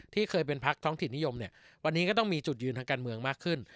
เคยเป็นพักท้องถิ่นนิยมเนี่ยวันนี้ก็ต้องมีจุดยืนทางการเมืองมากขึ้น